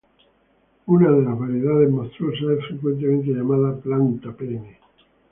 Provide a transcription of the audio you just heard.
Una de las variedades monstruosas es frecuentemente llamada planta pene.